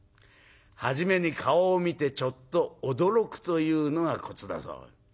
初めに顔を見てちょっと驚くというのがコツだそう。